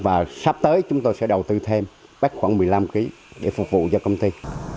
và sắp tới chúng tôi sẽ đầu tư thêm bắt khoảng một mươi năm kg để phục vụ cho công ty